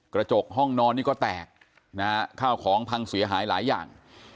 กระจกห้องนอนนี่ก็แตกนะฮะข้าวของพังเสียหายหลายอย่าง